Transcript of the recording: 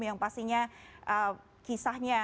yang pastinya kisahnya